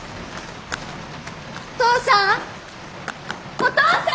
お父さん！？